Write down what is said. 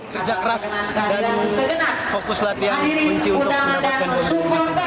kerja keras dan fokus latihan kunci untuk mendapatkan medali emas